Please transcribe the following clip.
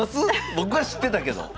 僕は知ってたけど。